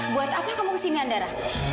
buat apa kamu kesini andara